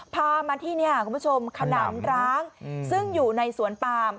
พามาที่นี่คุณผู้ชมขนามร้างซึ่งอยู่ในสวนปาม